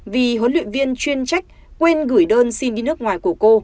vì huấn luyện viên chuyên trách quên gửi đơn xin đi nước ngoài của cô